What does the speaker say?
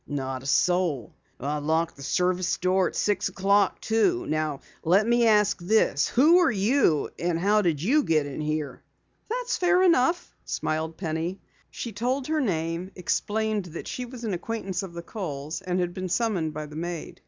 "Not a soul. I locked the service door at six o'clock, too. Now let me ask this: Who are you, and how did you get in here?" "That's fair enough," smiled Penny. She told her name, explained that she was an acquaintance of the Kohls, and had been summoned by the maid.